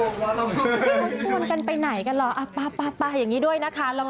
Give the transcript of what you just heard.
กวนพวกมันไปไหนกันหรอไปอย่างนี้ด้วยนะคะ